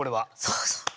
そうそう。